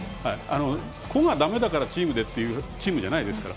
個がだめならチームでというチームじゃないですから。